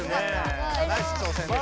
ナイス挑戦でした。